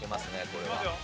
これは。